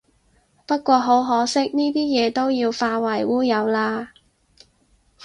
不過好可惜，呢啲嘢都要化為烏有喇